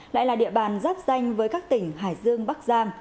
lại là địa bàn giáp danh với các tỉnh hải dương bắc giang